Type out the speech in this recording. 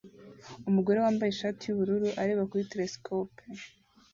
Umugore wambaye ishati yubururu areba kuri telesikope